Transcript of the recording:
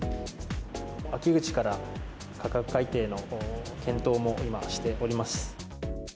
秋口から、価格改定の検討も今しております。